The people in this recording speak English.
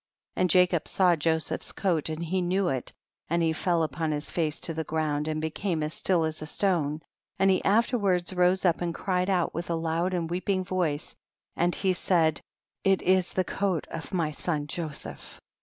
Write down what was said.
16. And Jacob saw Joseph's coat and he knew it and he fell upon his face to the ground, and became as still as a stone, and he afterward rose up and cried out with a loud and weeping voice and he said, it is the coat of my son Joseph